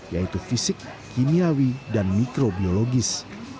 yaitu fisik kimiawi dan mikrobiologis